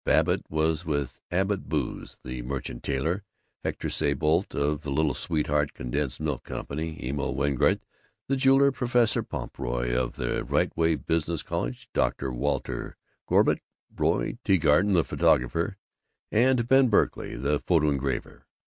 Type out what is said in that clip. Babbitt was with Albert Boos the merchant tailor, Hector Seybolt of the Little Sweetheart Condensed Milk Company, Emil Wengert the jeweler, Professor Pumphrey of the Riteway Business College, Dr. Walter Gorbutt, Roy Teegarten the photographer, and Ben Berkey the photo engraver.